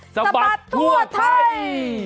สบัตรถั่วไทย